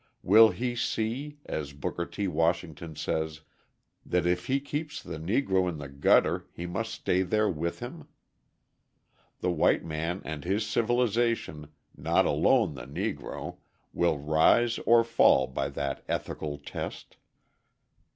Will he see, as Booker T. Washington says, that if he keeps the Negro in the gutter he must stay there with him? The white man and his civilisation, not alone the Negro, will rise or fall by that ethical test.